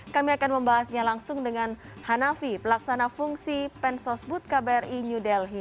kami akan membahasnya langsung dengan hanafi pelaksana fungsi pensosbud kbri new delhi